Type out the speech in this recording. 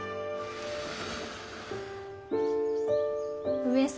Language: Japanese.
上様。